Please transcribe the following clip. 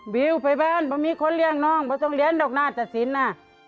วิวไปบ้านเพราะมีคนเลี้ยงน้องไม่ต้องเรียนดอกหน้าตะสินนะ